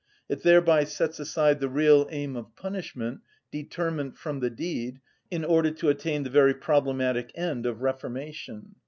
It thereby sets aside the real aim of punishment, determent from the deed, in order to attain the very problematic end of reformation.